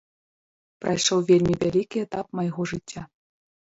Прайшоў вельмі вялікі этап майго жыцця.